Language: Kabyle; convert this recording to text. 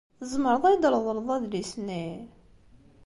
Tzemreḍ ad iyi-d-treḍleḍ adlis-nni?